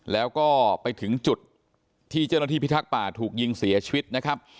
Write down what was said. แล้วก็ไปถึงจุดที่เจ้าหน้าที่พิทักษ์ป่าถูกยิงเสียชีวิตนะครับ